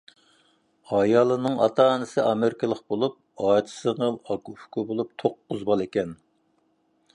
ئايالنىڭ ئاتا-ئانىسى ئامېرىكىلىق بولۇپ، ئاچا-سىڭىل، ئاكا-ئۇكا بولۇپ توققۇز بالىكەن.